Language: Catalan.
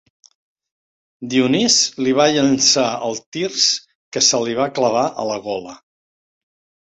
Dionís li va llançar el tirs que se li clavà a la gola.